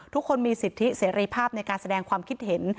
ทุกคนมีสิทธิเสรีภาพในการแสดงความคิดเห็น